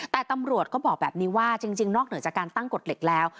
แต่ตำรวจก็บอกแบบนี้ว่าจริงนอกเหนือจากการตั้งกฎเหล็กแล้ว